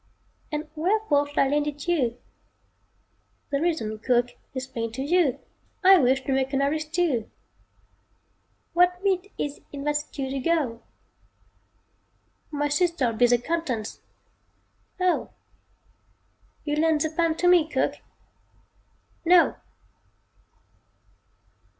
And wherefore should I lend it you?" "The reason, Cook, is plain to view. I wish to make an Irish stew." "What meat is in that stew to go?" "My sister'll be the contents!" "Oh" "You'll lend the pan to me, Cook?" "No!"